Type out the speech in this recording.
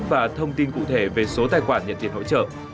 và thông tin cụ thể về số tài khoản nhận tiền hỗ trợ